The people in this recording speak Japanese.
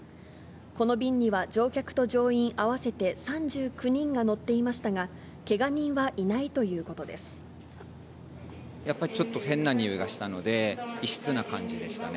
この便には乗客と乗員合わせて３９人が乗っていましたが、やっぱりちょっと、変なにおいがしたので、異質な感じでしたね。